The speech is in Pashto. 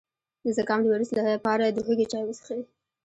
د زکام د ویروس لپاره د هوږې چای وڅښئ